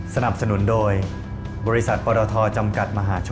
สนับสนุนโดยบุริษัทเปอรถทะวัน